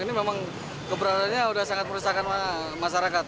ini memang keberadaannya sudah sangat meresahkan masyarakat